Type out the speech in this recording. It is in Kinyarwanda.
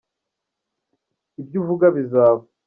Ibyuvuga bizaba.